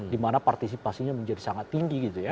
di mana partisipasinya menjadi sangat tinggi